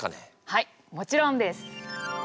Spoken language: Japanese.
はいもちろんです。